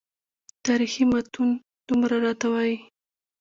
تاریخي متون دومره راته وایي.